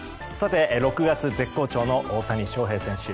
６月絶好調の大谷翔平選手。